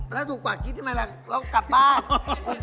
ถ้าถูกกว่ากรี๊บที่ไม่เลือกเรากลับบ้าน